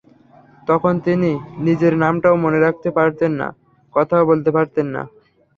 তখন তিনি নিজের নামটাও মনে রাখতে পারতেন না, কথাও বলতে পারতেন না।